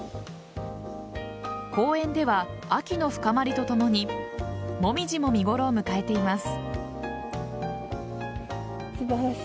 公園では、秋の深まりとともにモミジも見頃を迎えています。